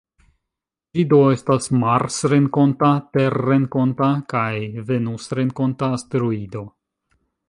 Ĝi do estas marsrenkonta, terrenkonta kaj venusrenkonta asteroido.